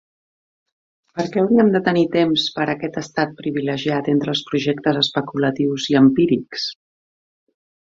Per què hauríem de tenir temps per a aquest estat privilegiat entre els projectes especulatius i empírics?